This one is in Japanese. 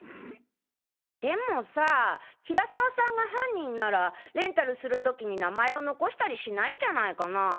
でもさあ平沢さんが犯人ならレンタルするときに名前を残したりしないんじゃないかなあ。